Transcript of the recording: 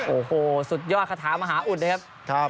โอ้โหสุดยอดคาถามหาอุดนะครับ